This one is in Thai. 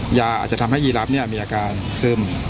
หยาอาจจะทำให้ยีลาฟนี่มีอาการซึม